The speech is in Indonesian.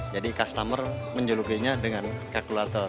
jadi customer menjelukinya dengan kalkulator